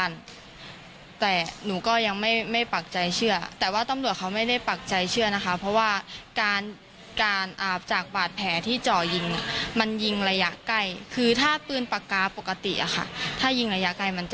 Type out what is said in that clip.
นะครับเพราะว่าการอาบที่จ่อยงมาลภวีใบเราเยี่ยมต่อก็คืออย่างเหมือนกัน